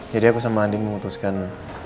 jadi aku sama andien memutuskan